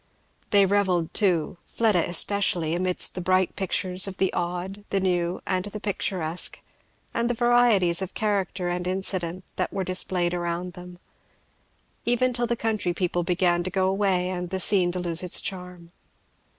They revelled too, Fleda especially, amidst the bright pictures of the odd, the new, and the picturesque, and the varieties of character and incident, that were displayed around them; even till the country people began to go away and the scene to lose its charm.